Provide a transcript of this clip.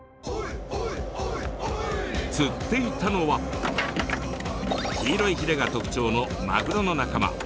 釣っていたのは黄色いヒレが特徴のマグロの仲間